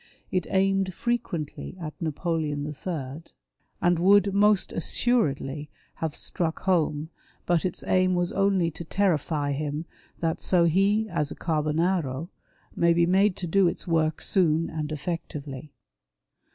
It aimed frequently at Napoleon III., 1 1 6 WAR OF ANTICHRIST WITH THE CHURCH. and would, most assuredly, have struck home, but its aim was only to terrify him that so he as a Carbonaro may be made to do its work soon and eiFectively.